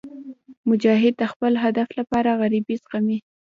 مجاهد د خپل هدف لپاره غریبۍ زغمي.